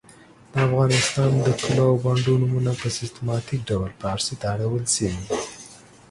د افغانستان د کلو او بانډو نومونه په سیستماتیک ډول پاړسي ته اړول سوي .